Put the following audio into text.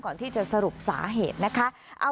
ก่อนที่จะสรุปสาเหตุนะคะ